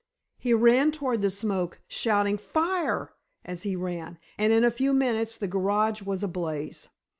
He ran toward the smoke, shouting "Fire!" as he ran, and in a few minutes the garage was ablaze.